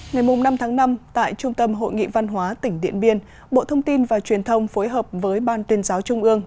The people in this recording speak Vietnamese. ngày năm tháng năm tại trung tâm hội nghị văn hóa tỉnh điện biên bộ thông tin và truyền thông phối hợp với ban tuyên giáo trung ương